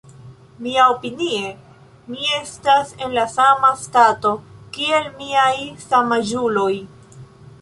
Miaopinie, mi estas en la sama stato kiel miaj samaĝuloj.